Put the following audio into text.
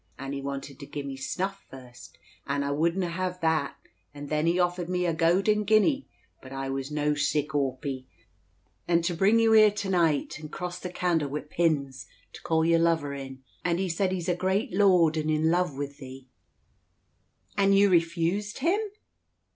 And he wanted to gie me snuff first, and I wouldna hev that; and then he offered me a gowden guinea, but I was no sic awpy, and to bring you here to night, and cross the candle wi' pins, to call your lover in. And he said he's a great lord, and in luve wi' thee." "And you refused him?"